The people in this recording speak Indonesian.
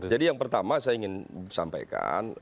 jadi yang pertama saya ingin sampaikan